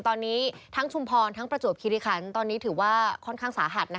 ตอนนี้ทั้งชุมพรทั้งประจวบคิริคันตอนนี้ถือว่าค่อนข้างสาหัส